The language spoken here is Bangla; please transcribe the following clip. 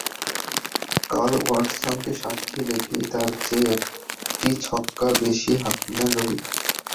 কাল ওয়াটসনকে সাক্ষী রেখেই তাঁর চেয়ে একটি ছক্কা বেশি হাঁকালেন রোহিত।